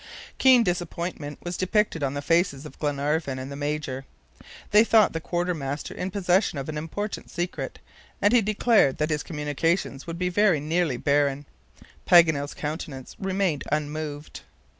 Keen disappointment was depicted on the faces of Glenarvan and the Major. They thought the quartermaster in the possession of an important secret, and he declared that his communications would be very nearly barren. Paganel's countenance remained unmoved.